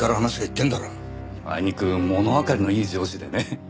あいにくものわかりのいい上司でね。